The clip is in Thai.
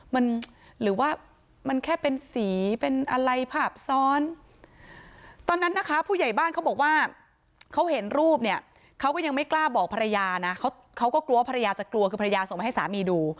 มันหรือว่ามันแค่เป็นสีเป็นอะไรภาพซ้อนตอนนั้นนะคะผู้ใหญ่บ้านเขาบอกว่าเขาเห็นรูปเนี่ยเขาก็ยังไม่กล้าบอกภรรยานะเขาก็กลัวภรรยาจะกลัวคือภรรยาส่งไปให้สามีดู